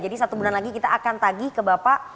jadi satu bulan lagi kita akan tagi ke bapak